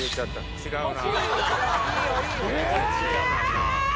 違うな。